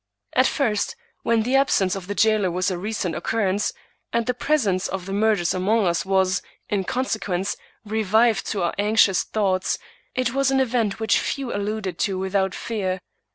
At first, when the absence of the jailer was a recent occurrence, and the presence of the murderers among us was, in consequence, revived to our anxious thoughts, it was an event which few alluded to without fear.